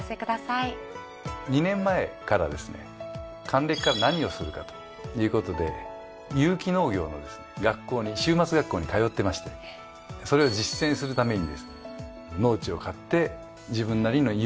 還暦から何をするかということで有機農業の週末学校に通ってましてそれを実践するためにですね。